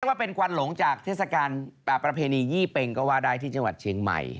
ว่าเป็นควันหลงจากเทศกาลประเพณียี่เป็งก็ว่าได้ที่จังหวัดเชียงใหม่